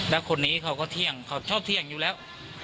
แล้วคนนี้เขาก็เที่ยงเขาชอบเที่ยงอยู่แล้ว